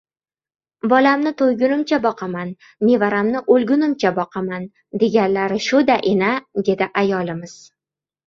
— Bolamni to‘ygunimcha boqaman, nevaramni o‘lgunimcha boqaman, deganlari shu-da, ena, — dedi ayolimiz.